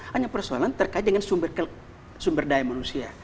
hanya persoalan terkait dengan sumber daya manusia